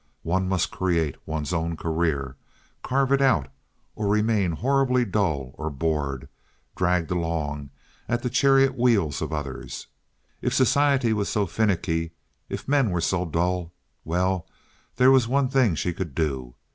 One must create one's own career, carve it out, or remain horribly dull or bored, dragged along at the chariot wheels of others. If society was so finicky, if men were so dull—well, there was one thing she could do.